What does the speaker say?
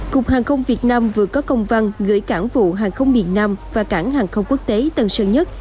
cục hàng không việt nam vừa có công văn gửi cảng vụ hàng không miền nam và cảng hàng không quốc tế tân sơn nhất